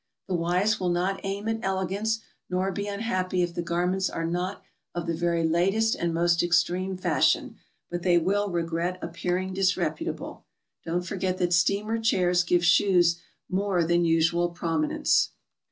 The wise will not aim at elegance, nor be unhappy if the garments are not of the very latest and most extreme fashion, but they will regret appearing disreputable. Don't forget that steamer chairs give shoes more than usual prominence.